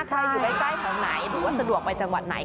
ใครอยู่ใกล้แถวไหนหรือว่าสะดวกไปจังหวัดไหน